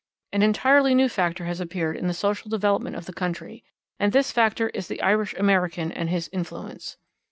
An entirely new factor has appeared in the social development of the country, and this factor is the Irish American and his influence.